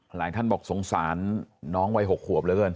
หลายท่านบอกสงสารน้องวัย๖ขวบเหลือเกิน